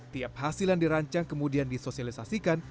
tiap hasilan dirancang kemudian disosialisasikan